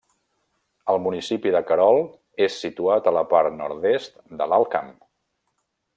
El municipi de Querol és situat a la part nord-est de l'Alt Camp.